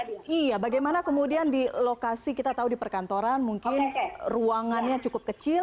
iya bagaimana kemudian di lokasi kita tahu di perkantoran mungkin ruangannya cukup kecil